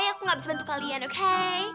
aku gak bisa bantu kalian oke